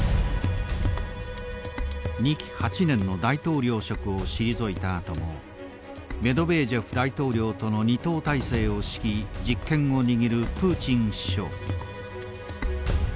２期８年の大統領職を退いたあともメドベージェフ大統領との二頭体制を敷き実権を握るプーチン首相。